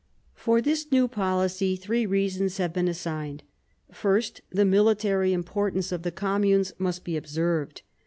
For this new policy three reasons have been assigned. First, the military importance of the communes must be observed.